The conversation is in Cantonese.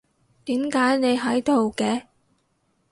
點解你喺度嘅？